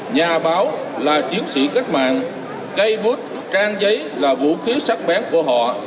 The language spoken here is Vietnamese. nhà báo là chiến sĩ cách mạng cây bút trang giấy là vũ khí sắc bén của họ